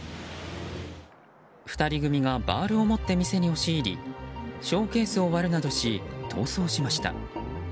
２人組がバールを持って店に押し入りショーケースを割るなどし逃走しました。